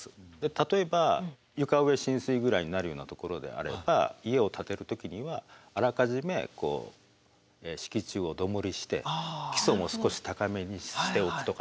例えば床上浸水ぐらいになるようなところであれば家を建てる時にはあらかじめ敷地を土盛りして基礎も少し高めにしておくとかですね